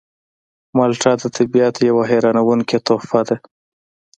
مالټه د طبیعت یوه حیرانوونکې تحفه ده.